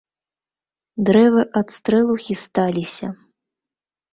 Дрэвы ад стрэлу хісталіся.